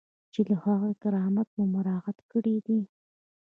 چې د هغوی کرامت مو مراعات کړی دی.